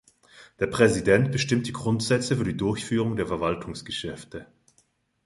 Der Präsident bestimmt die Grundsätze für die Durchführung der Verwaltungsgeschäfte.